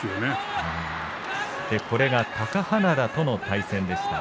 これが貴花田との対戦でした。